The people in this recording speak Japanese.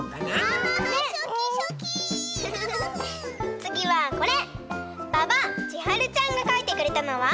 つぎはこれ！